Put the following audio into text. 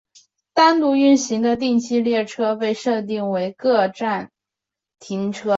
单独运行的定期列车被设定为各站停车。